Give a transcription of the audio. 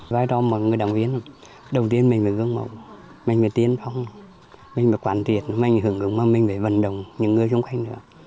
và đó mọi người đồng ý đầu tiên mình phải ước mộng mình phải tiến phong mình phải quản thiện mình phải hưởng ứng mình phải vận động những người xung quanh nữa